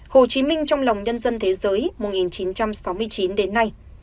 hồ chí minh trong lòng nhân dân thế giới một nghìn chín trăm sáu mươi chín đến nay